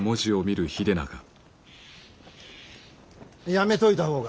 やめといた方が。